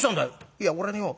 「いや俺よ